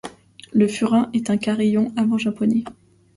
Le fūrin est un carillon à vent japonais.